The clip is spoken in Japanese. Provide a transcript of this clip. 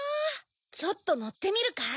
ちょっとのってみるかい？